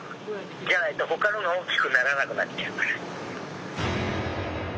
じゃないとほかのが大きくならなくなっちゃうから。